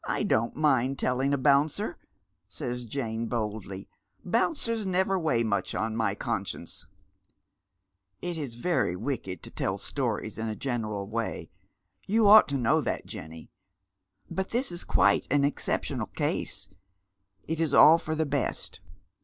don't mind telUng a bouncer," says Jane, boldly. " Bouncers never weigh much on my conscience." 136 Dead Men's Shoes. " It is very wicked to tell stories in a general way. You ought to know that, Jenny. But this is quite an exceptional case. It is all for the best.